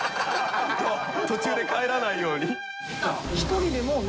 途中で帰らないように。